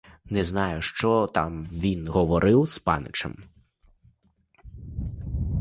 Не знаю, що там він говорив з паничем.